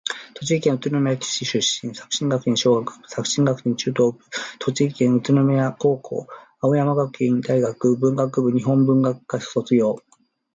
栃木県宇都宮市出身。作新学院小学部、作新学院中等部、栃木県立宇都宮高等学校、青山学院大学文学部日本文学科卒業。